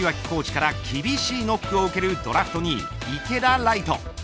コーチから厳しいノックを受けるドラフト２位、池田来翔。